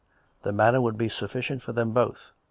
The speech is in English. The Manor would be sufficient for them both.